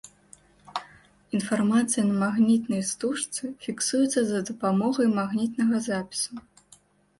Інфармацыя на магнітнай стужцы фіксуецца за дапамогай магнітнага запісу.